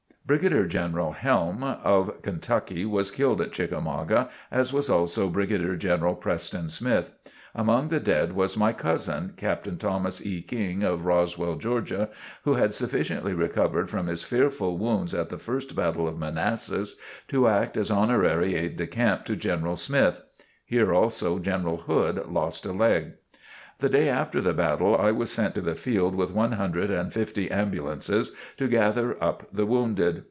Brigadier General Helm of Kentucky was killed at Chickamauga, as was also Brigadier General Preston Smith. Among the dead was my cousin, Captain Thomas E. King, of Roswell, Georgia, who had sufficiently recovered from his fearful wounds at the first battle of Manassas, to act as honorary aide de camp to General Smith. Here also General Hood lost a leg. The day after the battle I was sent to the field with one hundred and fifty ambulances to gather up the wounded.